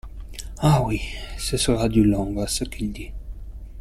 Ah oui, ce sera du long, à ce qu'il dit.